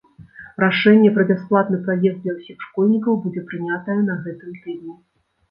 Рашэнне пра бясплатны праезд для ўсіх школьнікаў будзе прынятае на гэтым тыдні.